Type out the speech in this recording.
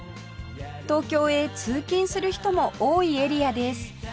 東京へ通勤する人も多いエリアです